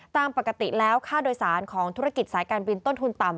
ตามปกติแล้วค่าโดยสารของธุรกิจสายการบินต้นทุนต่ำ